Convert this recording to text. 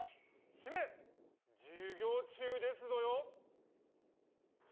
姫授業中ですぞよ！